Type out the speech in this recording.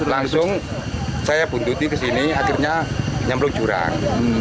langsung saya buntuti ke sini akhirnya nyemplung jurang